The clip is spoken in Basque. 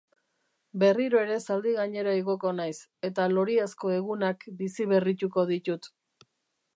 Berriro ere zaldi gainera igoko naiz, eta loriazko egunak biziberrituko ditut.